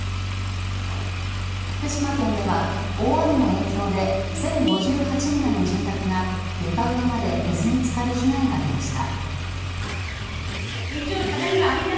福島県では大雨の影響で１０５８棟の住宅が床上まで水に浸かる被害が出ました。